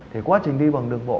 thì quá trình đi bằng đường bộ